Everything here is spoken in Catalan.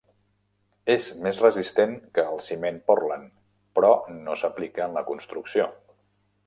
És més resistent que el ciment Portland, però no s'aplica en la construcció.